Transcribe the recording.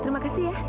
terima kasih ya